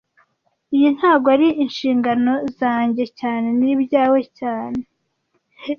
Iyi ntago ari inshingano zanjye cyane Ni ibyawe cyane